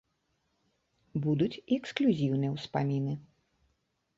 Будуць і эксклюзіўныя ўспаміны.